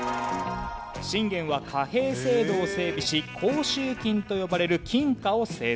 信玄は貨幣制度を整備し甲州金と呼ばれる金貨を製造。